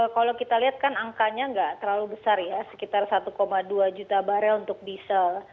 kalau kita lihat kan angkanya nggak terlalu besar ya sekitar satu dua juta barel untuk diesel